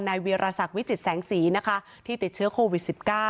เวียรสักวิจิตแสงสีนะคะที่ติดเชื้อโควิด๑๙